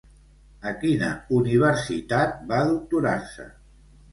A quina universitat va doctorar-se?